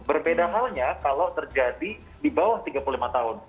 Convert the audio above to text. berbeda halnya kalau terjadi di bawah tiga puluh lima tahun